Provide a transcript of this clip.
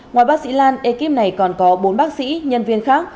ngoài bác sĩ lan ekip này còn có bốn bác sĩ nhân viên khác